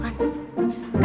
karena aku janda kan